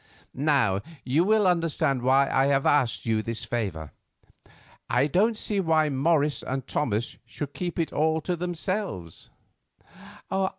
Now you will understand why I have asked you this favour. I don't see why Morris and Thomas should keep it all to themselves."